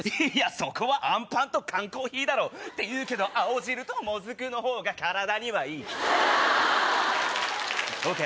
そこはアンパンと缶コーヒーだろ！っていうけど青汁ともずくのほうが体にはいい！ＯＫ！